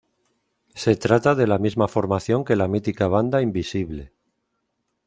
Se trata de la misma formación que la mítica banda Invisible.